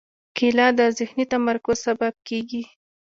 کېله د ذهني تمرکز سبب کېږي.